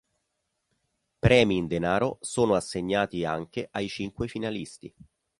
Premi in denaro sono assegnati anche ai cinque finalisti.